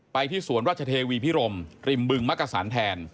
ที่สวนราชเทวีพิรมริมบึงมักกษันแทน